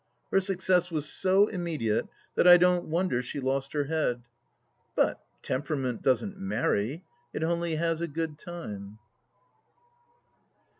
Her success was so immediate, that I don't wonder she lost her head. But temperament doesn't many —• it only has a good time.